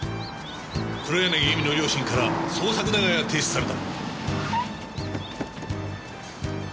黒柳恵美の両親から捜索願が提出された。